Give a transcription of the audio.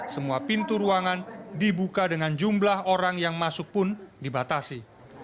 semua pintu ruangan dibuka dengan jumlah orang yang masuk pun dibatasi